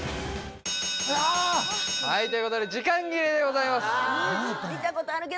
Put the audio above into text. はいということで時間切れでございます